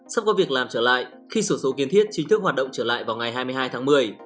sắp có việc làm trở lại khi sổ số kiến thiết chính thức hoạt động trở lại vào ngày hai mươi hai tháng một mươi